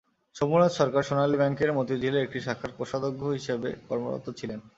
শম্ভুনাথ সরকার সোনালী ব্যাংকের মতিঝিলের একটি শাখার কোষাধ্যক্ষ হিসেবে কর্মরত ছিলেন।